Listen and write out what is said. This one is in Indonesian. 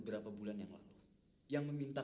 mama sudah menelepon hendri